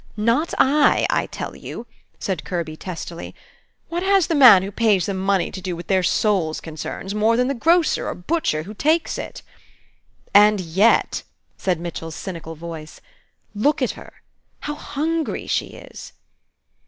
"Not I, I tell you," said Kirby, testily. "What has the man who pays them money to do with their souls' concerns, more than the grocer or butcher who takes it?" "And yet," said Mitchell's cynical voice, "look at her! How hungry she is!"